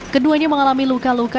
keduanya mengalami luka